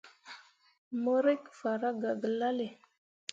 Mo rǝkki farah gah gelale.